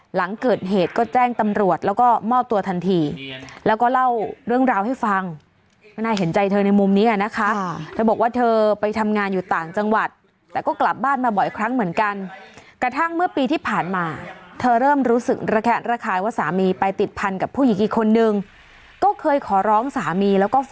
หลังเกิดเหตุก็แจ้งตำรวจแล้วก็มอบตัวทันทีแล้วก็เล่าเรื่องราวให้ฟังก็น่าเห็นใจเธอในมุมนี้นะคะเธอบอกว่าเธอไปทำงานอยู่ต่างจังหวัดแต่ก็กลับบ้านมาบ่อยครั้งเหมือนกันกระทั่งเมื่อปีที่ผ่านมาเธอเริ่มรู้สึกระแคะระคายว่าสามีไปติดพันกับผู้หญิงอีกคนนึงก็เคยขอร้องสามีแล้วก็ฝ